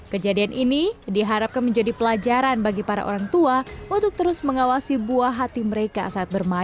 kejadian ini diharapkan menjadi pelajaran bagi para orang tua untuk terus mengawasi buah hati mereka saat bermain